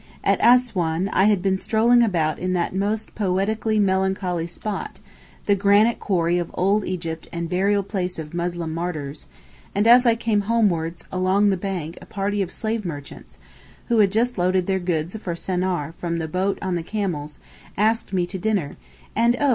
At Assouan I had been strolling about in that most poetically melancholy spot, the granite quarry of old Egypt and burial place of Muslim martyrs, and as I came homewards along the bank a party of slave merchants, who had just loaded their goods for Senaar from the boat on the camels, asked me to dinner, and, oh!